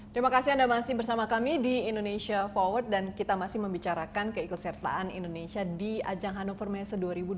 terima kasih anda masih bersama kami di indonesia forward dan kita masih membicarakan keikutsertaan indonesia di ajang hannover messe dua ribu dua puluh